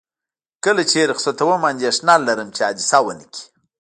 کله چې یې رخصتوم، اندېښنه لرم چې حادثه ونه کړي.